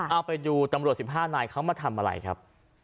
เอาไปดูตำรวจ๑๕นายเขามาทำอะไรครับ